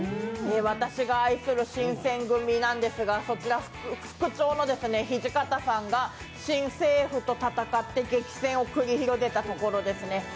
私が愛する新選組なんですが、そちら副長の土方さんが新政府と戦って激戦を繰り広げたところですね。